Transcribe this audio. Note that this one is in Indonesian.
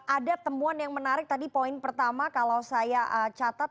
ada temuan yang menarik tadi poin pertama kalau saya catat